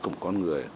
của một con người